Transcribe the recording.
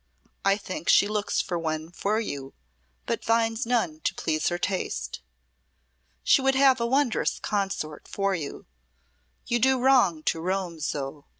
I think she looks for one for you, but finds none to please her taste. She would have a wondrous consort for you. You do wrong to roam so.